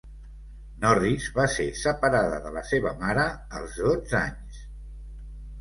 Norris va ser separada de la seva mare als dotze anys.